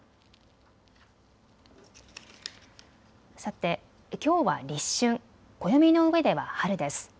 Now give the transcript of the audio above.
さて、きょうは立春、暦の上では春です。